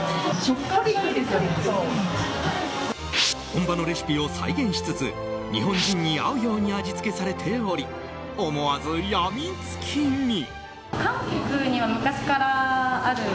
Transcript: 本場のレシピを再現しつつ日本人に合うように味付けされており思わず病みつきに。